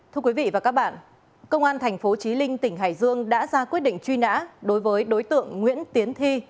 thưa quý vị và các bạn công an tp chí linh tỉnh hải dương đã ra quyết định trí nã đối với đối tượng nguyễn tiến thi